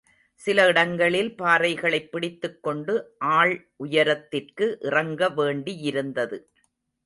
சில இடங்களில் பாறைகளைப் பிடித்துக் கொண்டு ஆள் உயரத்திற்கு இறங்க வேண்டியிருந்தது.